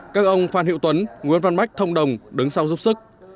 các ông phan hữu tuấn nguyễn văn bách thông đồng đứng sau giúp sức